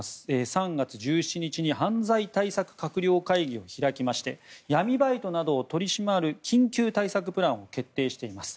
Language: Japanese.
３月１７日に犯罪対策閣僚会議を開きまして闇バイトなどを取り締まる緊急対策プランを決定しています。